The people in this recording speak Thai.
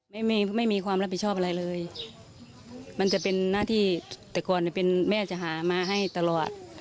ไม่มีไม่มีความรับผิดชอบอะไรเลยมันจะเป็นหน้าที่แต่ก่อนเป็นแม่จะหามาให้ตลอด